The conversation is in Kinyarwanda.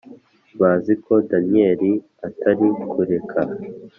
Bazi ko daniyeli atari kureka